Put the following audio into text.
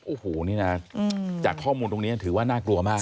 โอ้โหนี่นะจากข้อมูลตรงนี้ถือว่าน่ากลัวมาก